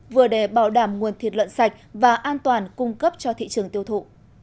vừa để bảo đảm nguồn thịt lợn sạch và an toàn cung cấp cho thị trường tiêu thụ